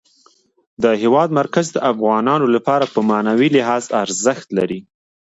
د هېواد مرکز د افغانانو لپاره په معنوي لحاظ ارزښت لري.